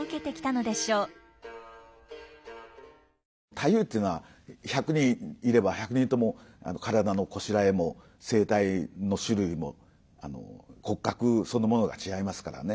太夫っていうのは１００人いれば１００人とも体のこしらえも声帯の種類も骨格そのものが違いますからね。